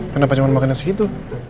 kenapa cuma makannya segitu